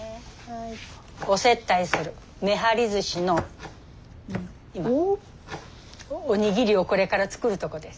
お接待するめはりずしの今おにぎりをこれから作るとこです。